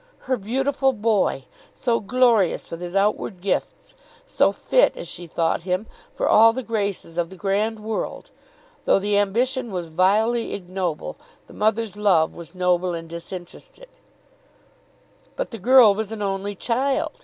Her beautiful boy, so glorious with his outward gifts, so fit, as she thought him, for all the graces of the grand world! Though the ambition was vilely ignoble, the mother's love was noble and disinterested. But the girl was an only child.